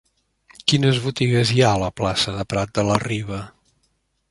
Quines botigues hi ha a la plaça de Prat de la Riba?